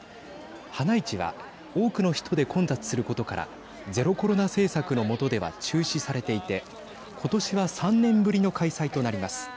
花市は多くの人で混雑することからゼロコロナ政策の下では中止されていて今年は３年ぶりの開催となります。